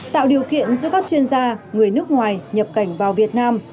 tạo điều kiện cho các chuyên gia người nước ngoài nhập cảnh vào việt nam